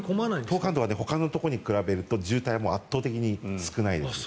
東関道はほかのところに比べると渋滞は圧倒的に少ないです。